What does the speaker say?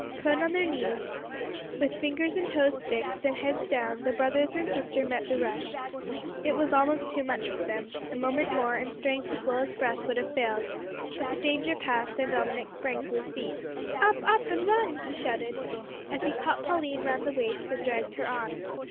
Prone on their knees, with fingers and toes fixed, and heads down, the brothers and sister met the rush. It was almost too much for them. A moment more, and strength as well as breath would have failed; but the danger passed, and Dominick sprang to his feet. "Up, up! and run!" he shouted, as he caught Pauline round the waist and dragged her on.